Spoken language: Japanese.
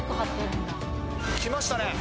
来ましたね。